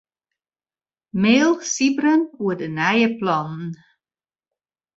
Mail Sybren oer de nije plannen.